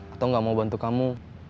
atau gak mau bantu kamu